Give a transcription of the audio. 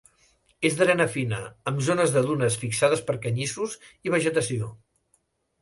És d'arena fina, amb zones de dunes fixades per canyissos i vegetació.